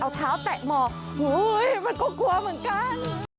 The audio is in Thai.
เอาเท้าแตะหมอกมันก็กลัวเหมือนกัน